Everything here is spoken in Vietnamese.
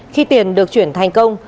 khi tiền được chuyển thành công